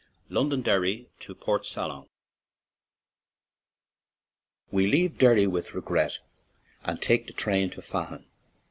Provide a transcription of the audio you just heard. LONDONDERRY TO PORT SALON WE leave Derry with regret and take the train for Fahan.